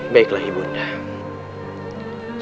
baiklah ibu undang